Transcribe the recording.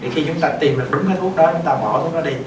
khi chúng ta tìm được đúng thuốc đó